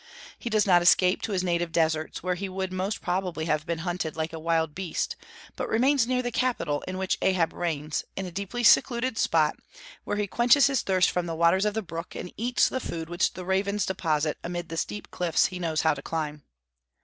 He does not escape to his native deserts, where he would most probably have been hunted like a wild beast, but remains near the capital in which Ahab reigns, in a deeply secluded spot, where he quenches his thirst from the waters of the brook, and eats the food which the ravens deposit amid the steep cliffs he knows how to climb.